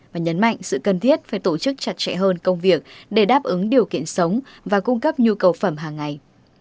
và nhấn mạnh sự cần thiết phải tổ chức chặt chẽ hơn công việc để đáp ứng điều kiện sống và cung cấp nhu cầu phẩm hàng ngày